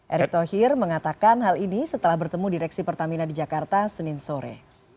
erick thohir mengatakan hal ini setelah bertemu direksi pertamina di jakarta senin sore